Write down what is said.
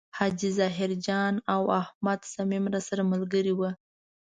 حاجي ظاهر جان او احمد صمیم راسره ملګري و.